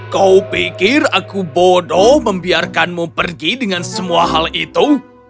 kau pikir aku bodoh membiarkanmu pergi dengan semua hal itu